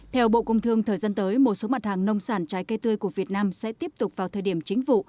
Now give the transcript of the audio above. theo bộ công thương thời gian tới một số mặt hàng nông sản trái cây tươi của việt nam sẽ tiếp tục vào thời điểm chính vụ